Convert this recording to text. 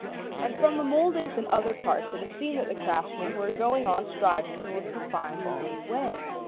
And from the mouldings and other parts it is seen that the craftsmen were going on striving in order to find the good way.